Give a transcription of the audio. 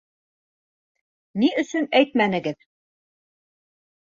- Ни өсөн әйтмәнегеҙ?